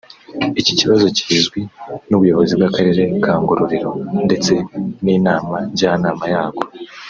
Iki kibazo kizwi n’ubuyobozi bw’akarere ka Ngororero ndetse n’Inama Njyanama yako